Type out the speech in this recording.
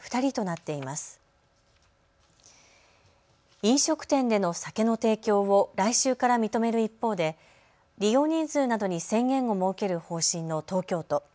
飲食店での酒の提供を来週から認める一方で利用人数などに制限を設ける方針の東京都。